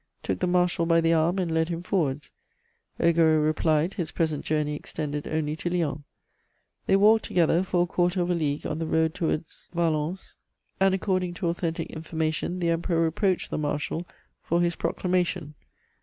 took the marshal by the arm and led him forwards. Augereau replied, his present journey extended only to Lyons. They walked together for a quarter of a league on the road towards Valence, and, according to authentic information, the Emperor reproached the marshal for his proclamation.